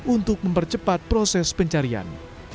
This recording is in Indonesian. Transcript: untuk mempercepat proses pencarian